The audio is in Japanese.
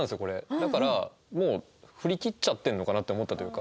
だからもう振り切っちゃってるのかなと思ったというか。